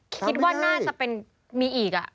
คิดว่าน่าจะมีอีก